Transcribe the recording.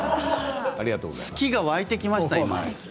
好きが湧いてきました。